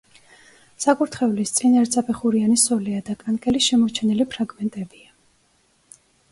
საკურთხევლის წინ ერთსაფეხურიანი სოლეა და კანკელის შემორჩენილი ფრაგმენტებია.